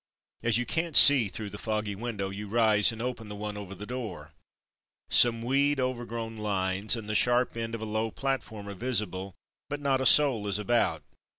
As you can't see through the foggy window you rise and open the one over the door. Some weed overgrown lines and the sharp Trains and Tribulations 93 end of a low platform are visible, but not a soul is about.